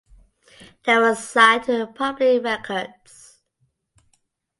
They were signed to Public Records.